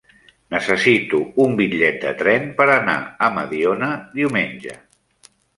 Necessito un bitllet de tren per anar a Mediona diumenge.